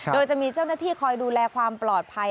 โดยจะมีเจ้าหน้าที่คอยดูแลความปลอดภัย